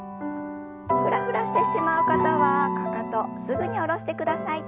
フラフラしてしまう方はかかとすぐに下ろしてください。